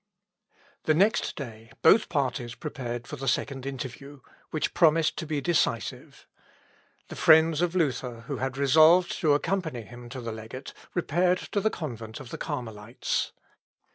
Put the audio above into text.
The next day both parties prepared for the second interview, which promised to be decisive. The friends of Luther, who had resolved to accompany him to the legate, repaired to the convent of the Carmelites.